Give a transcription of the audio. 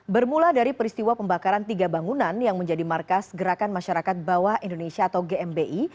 bermula dari peristiwa pembakaran tiga bangunan yang menjadi markas gerakan masyarakat bawah indonesia atau gmi